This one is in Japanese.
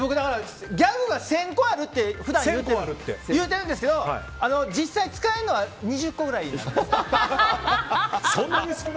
ギャグが１０００個あるって普段言うてるんですけど実際、使えるのは２０個ぐらいですね。